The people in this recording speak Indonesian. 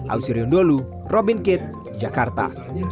ausir yondolu robin kitt jakarta